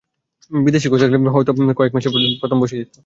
বিদেশি কোচ থাকলে ওকে হয়তো প্রথম দুই ম্যাচের পরই বসিয়ে দিত।